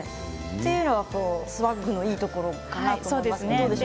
それがスワッグのいいところかなと思います。